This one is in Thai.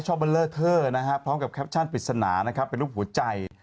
ชอบเบลอเทอร์พร้อมกับแคปชั่นปริศนานะครับเป็นรูปหัวใจ